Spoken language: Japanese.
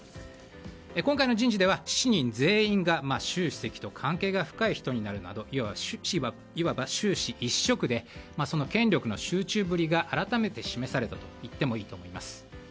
今回の人事では７人全員が習主席と関係が深い人になるなどいわば習氏一色でその権力の集中ぶりが改めて示されたといってもいいと思います。